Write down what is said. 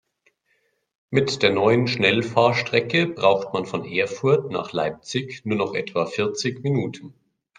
Mit der neuen Schnellfahrstrecke braucht man von Erfurt nach Leipzig nur noch etwa vierzig Minuten